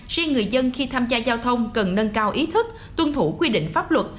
riêng người dân khi tham gia giao thông cần nâng cao ý thức tuân thủ quy định pháp luật